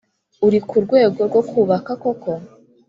uri ku rwego rwo kubaka koko